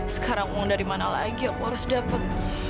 sekarang uang dari mana lagi aku harus dapat